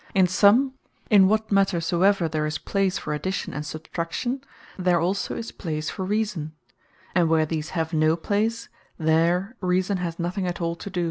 In summe, in what matter soever there is place for Addition and Substraction, there also is place for Reason; and where these have no place, there Reason has nothing at all to do.